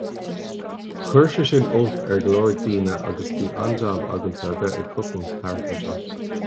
Chuir sé sin olc ar go leor daoine agus bhí an-jab agamsa bheith ag cosaint thart anseo.